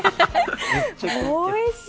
おいしい。